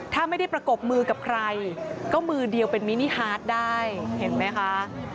ถ้าไม่ได้ประกบมือกับใครก็มือเดียวเป็นมินิฮาร์ดได้เห็นไหมคะ